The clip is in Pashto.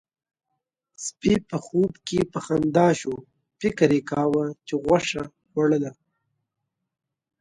سپي په خوب کې په خندا شو، فکر يې کاوه چې غوښه خوړله.